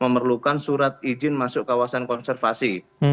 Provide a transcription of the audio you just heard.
memerlukan surat izin masuk kawasan konservasi